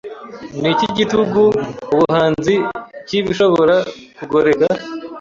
Niki gitugu ubuhanzi ki Bishobora kugoreka